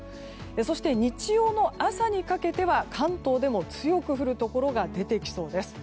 そして日曜の朝にかけては関東でも強く降るところが出てきそうです。